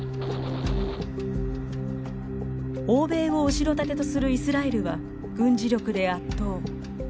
欧米を後ろ盾とするイスラエルは軍事力で圧倒。